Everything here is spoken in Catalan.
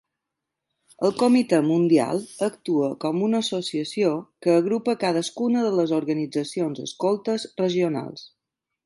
El Comitè Mundial actua com una associació que agrupa cadascuna de les organitzacions escoltes regionals.